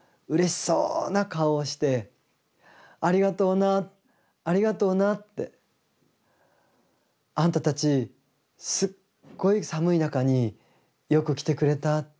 うれしそうな顔をして「ありがとうなありがとうな」って。「あんたたちすっごい寒い中によく来てくれた。